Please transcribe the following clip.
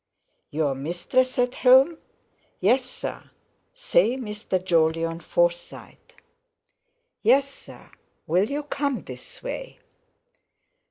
"Your mistress at home?" "Yes, sir." "Say Mr. Jolyon Forsyte." "Yes, sir, will you come this way?"